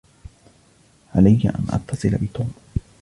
عليّ أن أتصل بتوم.